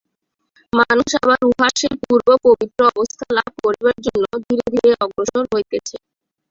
মানুষ আবার উহার সেই পূর্ব পবিত্র অবস্থা লাভ করিবার জন্য ধীরে ধীরে অগ্রসর হইতেছে।